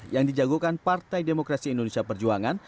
yang dijagokan partai demokrasi indonesia perjuangan